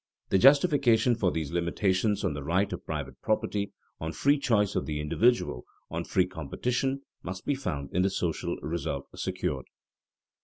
The justification for these limitations on the right of private property, on free choice of the individual, on "free competition," must be found in the social result secured.